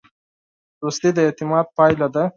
دوستي د اعتماد پایله ده.